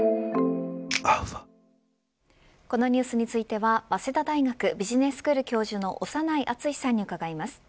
このニュースについては早稲田大学ビジネススクール教授の長内厚さんに伺います。